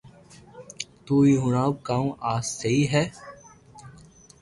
تو ھي ھڻاو ڪاو آ سھي ھي